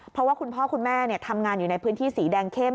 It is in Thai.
เพราะว่าคุณพ่อคุณแม่ทำงานอยู่ในพื้นที่สีแดงเข้ม